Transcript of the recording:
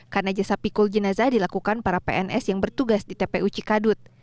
karena jasa pikul jenazah dilakukan para pns yang bertugas di tpu cikadut